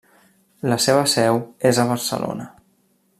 La seva seu és a Barcelona.